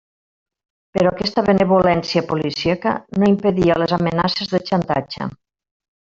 Però aquesta benevolència policíaca no impedia les amenaces de xantatge.